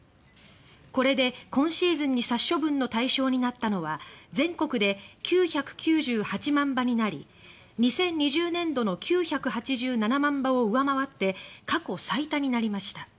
これで今シーズンに殺処分の対象になったのは全国で９９８万羽になり２０２０年度の９８７万羽を上回って過去最多になりました。